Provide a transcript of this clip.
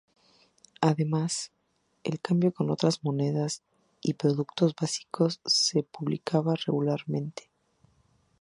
Además, el cambio con otras monedas y productos básicos se publicaba regularmente.